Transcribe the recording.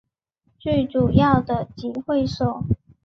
最主要的集会所